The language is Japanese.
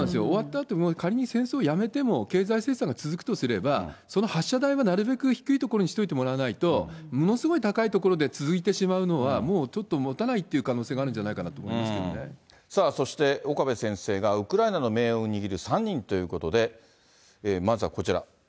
終わったあとも仮に戦争やめても、経済制裁が続くとすれば、その発射台はなるべく低いところにしといてもらわないと、ものすごい高いところで続いてしまうのは、もうちょっともたないという可能性があるんじゃないかと思いますさあ、そして、岡部先生がウクライナの命運を握る３人ということで、まずはこちら。